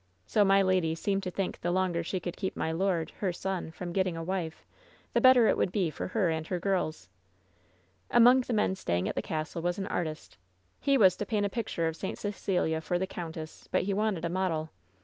So my lady seemed to think the longer she could keep my lord, her son, from getting a wife, the better it would be for her and hep girls. "Among the men staying at the castle was an artist. He was to paint a picture of St. Cecelia for the countess, but he wanted a model.